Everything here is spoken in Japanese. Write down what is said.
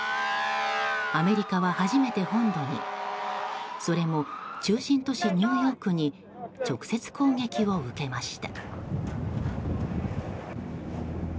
アメリカは初めて本土にそれも、中心都市ニューヨークに直接攻撃を受けました。